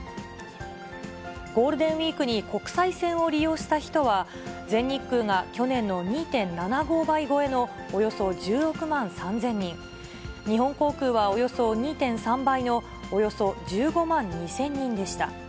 ゴールデンウィークに国際線を利用した人は、全日空が去年の２．７５倍超えのおよそ１６万３０００人、日本航空はおよそ２．３倍のおよそ１５万２０００人でした。